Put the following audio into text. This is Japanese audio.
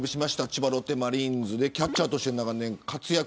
千葉ロッテマリーンズでキャッチャーとして長年、活躍。